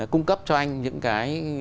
cung cấp cho anh những cái